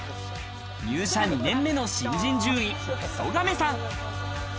入社２年目の新人獣医・十亀さん。